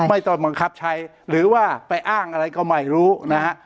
ไม่ต้องบังคับใช้หรือว่าไปอ้างอะไรก็ไม่รู้นะฮะ